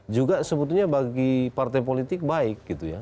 juga sebetulnya bagi partai politik baik